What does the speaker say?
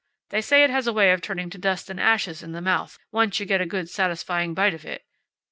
They say it has a way of turning to dust and ashes in the mouth, once you get a good, satisfying bite of it.